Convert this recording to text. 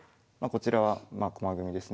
こちらはまあ駒組みですね。